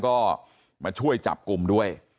ก็มาช่วยจับกลุ่มด้วย